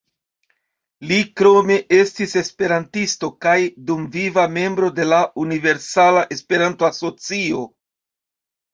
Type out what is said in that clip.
Li krome estis esperantisto, kaj dumviva membro de la Universala Esperanto-Asocio.